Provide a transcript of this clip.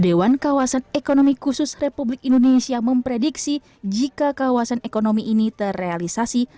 dewan kawasan ekonomi khusus republik indonesia memprediksi jika kawasan ekonomi ini terrealisasi